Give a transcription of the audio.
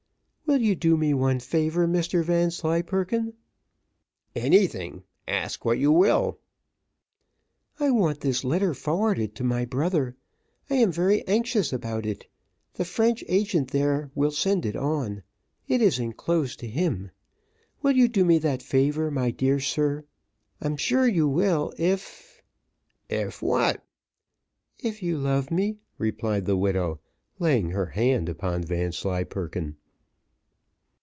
"Will you do me one favour, Mr Vanslyperken?" "Anything: ask what you will." "I want this letter forwarded to my brother I am very anxious about it. The French agent there will send it on; it is enclosed to him. Will you do me that favour, my dear sir? I'm sure you will if " "If what?" "If you love me," replied the widow, laying her hand upon Vanslyperken.